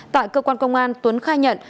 tại cơ quan công an tuấn khai nhận